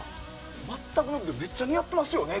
全くなくてめっちゃ似合ってますね！